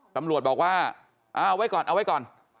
ตำรวจบอกว่าเอาไว้ก่อนเอาไว้ก่อน